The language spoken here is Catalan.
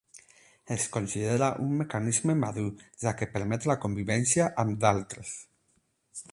Es considera un mecanisme madur, ja que permet la convivència amb d'altres.